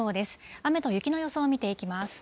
雨と雪の予想を見ていきます。